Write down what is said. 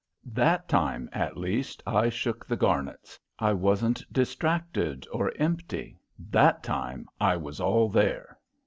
That time, at least, I shook the Garnets. I wasn't distracted or empty. That time I was all there!"